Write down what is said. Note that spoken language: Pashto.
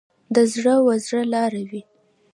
د زړه و زړه لار وي.